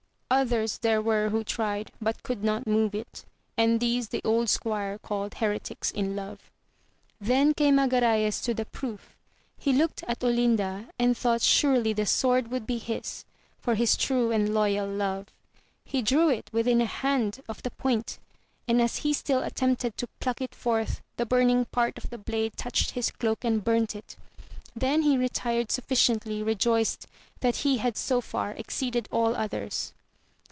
Others there were who tried but could not move it, and these the old squire called heretics in love. Then came Agrayes to the proof, he looked at Olinda, and thought surely the sword would be his, for his true and loyal love ; he drew it within a hand of the point, and as he still attempted to pluck it forth the burning part of the blade touched his cloak and burnt it ; then he retired sufficiently rejoiced that he had so far exceeded all others.